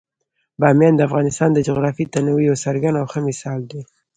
بامیان د افغانستان د جغرافیوي تنوع یو څرګند او ښه مثال دی.